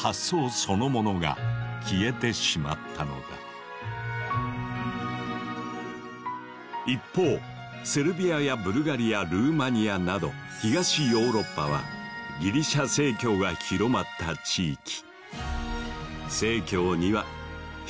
これにより一方セルビアやブルガリアルーマニアなど東ヨーロッパはギリシャ正教が広まった地域。